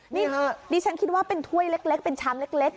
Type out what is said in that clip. นี่ดิฉันคิดว่าเป็นถ้วยเล็กเป็นชามเล็ก